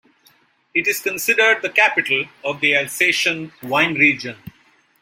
It is considered the capital of the Alsatian wine region.